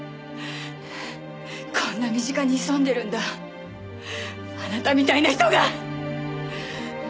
こんな身近に潜んでるんだあなたみたいな人が！